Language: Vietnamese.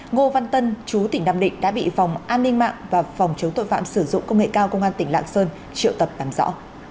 ngô văn tân chú tỉnh nam định đã bị phòng an ninh mạng và phòng chống tội phạm sử dụng công nghệ cao công an tỉnh lạng sơn triệu tập tạm rõ